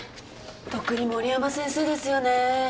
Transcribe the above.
特に森山先生ですよね。